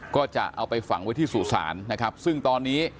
ก็จะเอาไปฝังไว้ที่สู่ศาลนะครับซึ่งตอนนี้